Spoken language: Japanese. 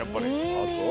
ああそう。